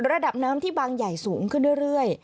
ระดับน้ำที่บางใหญ่สูงขึ้นเรื่อย